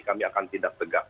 kami akan tidak tegak